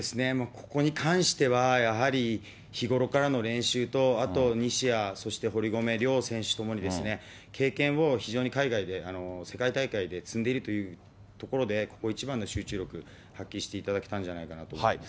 ここに関しては、やはり日頃からの練習と、あと西矢、そして堀米両選手ともに、経験を非常に海外で、世界大会で積んでいるというところで、ここ一番の集中力、発揮していただけたんじゃないかなと思ってます。